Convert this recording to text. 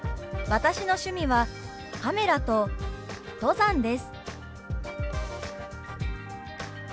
「私の趣味はカメラと登山です」。